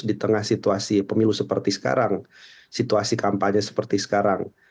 di tengah situasi pemilu seperti sekarang situasi kampanye seperti sekarang